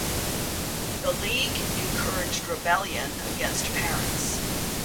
The League encouraged rebellion against parents.